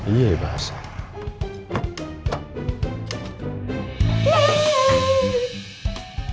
iya ya pak asyik